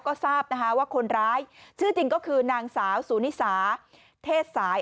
ก็ทราบนะคะว่าคนร้ายชื่อจริงก็คือนางสาวสูนิสาเทศสาย